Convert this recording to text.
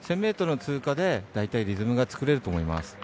１０００ｍの通過で大体リズムが作れると思います。